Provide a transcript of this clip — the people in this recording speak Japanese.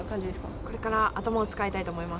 これから頭を使いたいと思います。